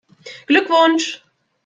Glückwunsch!